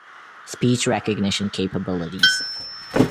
Speech recognition capabilities.